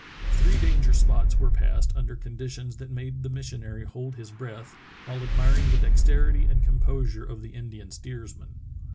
Three danger spots were passed under conditions that made the missionary hold his breath, while admiring the dexterity and composure of the Indian steersman.